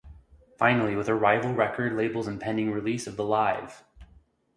Finally, with a rival record label's impending release of the Live!